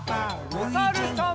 おさるさん。